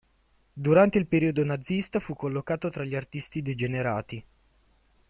Durante il periodo nazista fu collocato tra gli artisti degenerati.